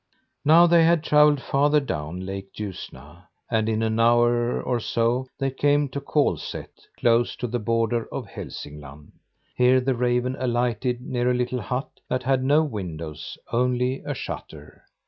Now they had travelled farther down Lake Ljusna and in an hour or so they came to Kolsätt, close to the border of Hälsingland. Here the raven alighted near a little hut that had no windows only a shutter.